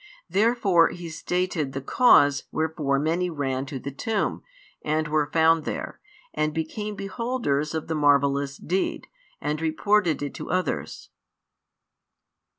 Therefore he stated the cause wherefore many ran to the tomb, and were found there, and became beholders of the marvellous deed, and reported it to others.